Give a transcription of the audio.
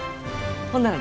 ほんなら。